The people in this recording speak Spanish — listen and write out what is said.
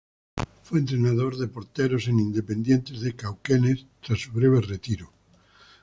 Fue entrenador de porteros en Independiente de Cauquenes, tras su breve retiro.